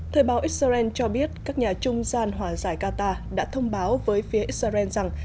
thời báo israel cho biết các nhà trung gian hòa giải qatar đã thông báo với phía israel rằng